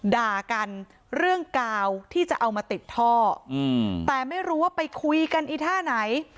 ด่ากันเรื่องกาวที่จะเอามาติดท่อแต่ไม่รู้ว่าไปคุยกันอีท่าไหน